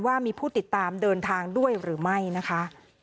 ว่ามีผู้ติดตามเดินทางด้วยหรือไม่นะคะ